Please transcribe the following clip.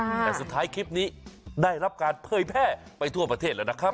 แต่สุดท้ายคลิปนี้ได้รับการเผยแพร่ไปทั่วประเทศแล้วนะครับ